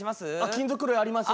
金属類あります。